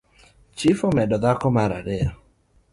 Chif omedo dhako mara ariyo.